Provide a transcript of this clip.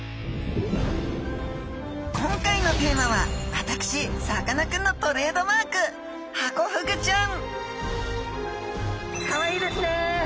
今回のテーマは私さかなクンのトレードマークハコフグちゃん！